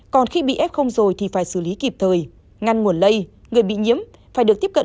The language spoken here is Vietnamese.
còn khi bị f rồi thì phải xử lý kịp thời ngăn nguồn lây người bị nhiễm phải được tiếp cận